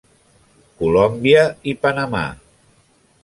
Colòmbia i Panamà.